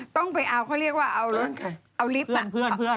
ต้องไปเอาเขาเรียกว่าเอาริฟท์